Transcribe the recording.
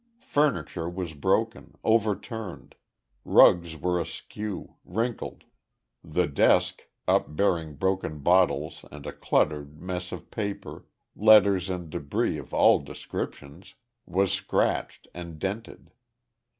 Furniture was broken, overturned. Rugs were askew, wrinkled. The desk, upbearing broken bottles and a cluttered mess of paper, letter and debris of all description, was scratched and dented.